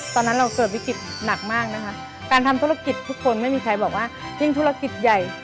ตอนนั้นเราเกิดวิกฤตหนักมากนะคะการทำธุรกิจทุกคนไม่มีใครบอกว่ายิ่งธุรกิจใหญ่